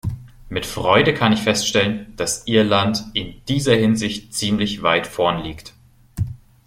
Mit Freude kann ich feststellen, dass Irland in dieser Hinsicht ziemlich weit vorn liegt.